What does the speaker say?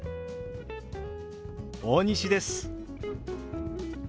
大西です。